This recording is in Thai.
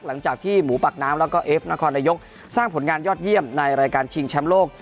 หลังจากที่หมูปากน้ำแล้วก็เอฟนครนายกสร้างผลงานยอดเยี่ยมในรายการชิงแชมป์โลก